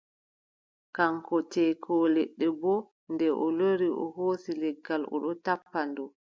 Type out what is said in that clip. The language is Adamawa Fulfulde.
Kaŋko ceekoowo leɗɗe boo, nde o lori, o hoosi leggal o ɗon tappa ndu.